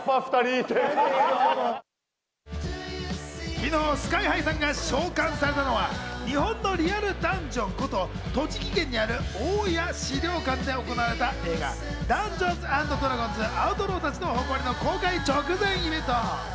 昨日、ＳＫＹ−ＨＩさんが召喚されたのは日本のリアルダンジョンこと、栃木県にある大谷資料館で行われた映画『ダンジョンズ＆ドラゴンズ／アウトローたちの誇り』の公開直前イベント。